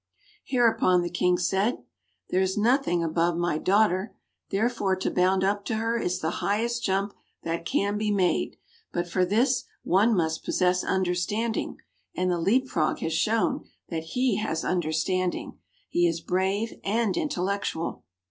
Hereupon the King said, "There is nothing above my daughter; therefore to bound up to her is the highest jump that can be made; but for this, one must possess understanding, and the Leap frog has shown that he has understanding. He is brave and intellectual."